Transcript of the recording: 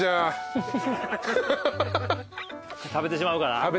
食べてしまうから？